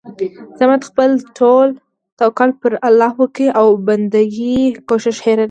انسان بايد خپل ټول توکل پر الله وکي او بندګي کوښښ هير نه کړي